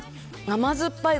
甘酸っぱい！